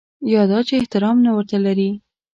یا دا چې احترام نه ورته لري.